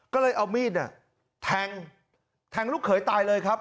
ก็เลยเอามีดแทงแทงลูกเขยตายเลยครับ